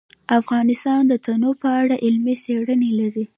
افغانستان د تنوع په اړه علمي څېړنې لري.